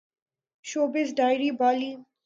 showbiz diary Bali